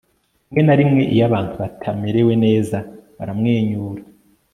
Rimwe na rimwe iyo abantu batamerewe neza baramwenyura